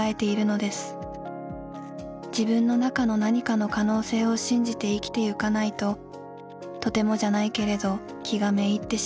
自分の中の何かの可能性を信じて生きてゆかないととてもじゃないけれど気が滅いってしまう。